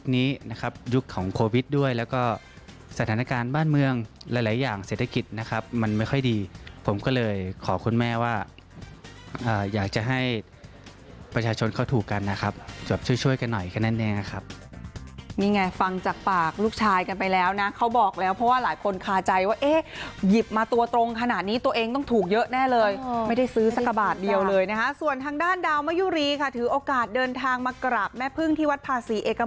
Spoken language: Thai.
นี้นะครับยุคของโควิดด้วยแล้วก็สถานการณ์บ้านเมืองหลายอย่างเศรษฐกิจนะครับมันไม่ค่อยดีผมก็เลยขอคุณแม่ว่าอยากจะให้ประชาชนเข้าถูกกันนะครับช่วยกันหน่อยแค่นั้นแน่นะครับนี่ไงฟังจากปากลูกชายกันไปแล้วนะเขาบอกแล้วเพราะว่าหลายคนคาใจว่าเอ๊ะหยิบมาตัวตรงขนาดนี้ตัวเองต้องถูกเยอะแน่เลยไม่ได